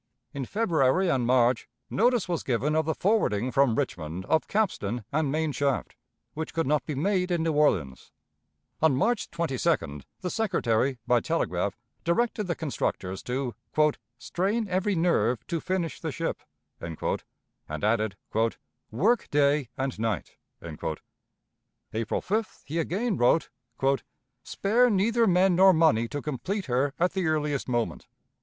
In February and March notice was given of the forwarding from Richmond of capstan and main shaft, which could not be made in New Orleans. On March 22d the Secretary, by telegraph, directed the constructors to "strain every nerve to finish the ship," and added, "work day and night." April 5th he again wrote: "Spare neither men nor money to complete her at the earliest moment.